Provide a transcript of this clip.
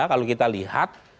kalau kita lihat